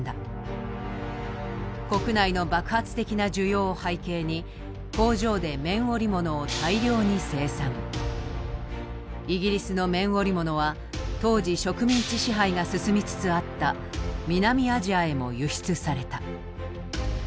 国内の爆発的な需要を背景に工場でイギリスの綿織物は当時植民地支配が進みつつあった南アジアへも輸出された。